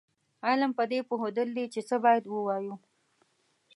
علم پدې پوهېدل دي چې څه باید ووایو.